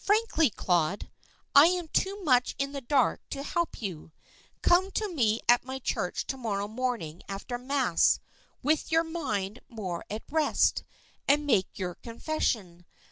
"Frankly, Claude, I am too much in the dark to help you. Come to me at my church to morrow morning after mass, with your mind more at rest, and make your confession.